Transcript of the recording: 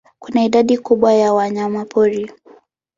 Kuna idadi kubwa ya wanyamapori.